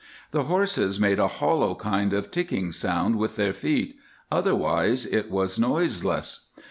The horses made a hollow kind of ticking sound with their feet, otherwise it was noiseless.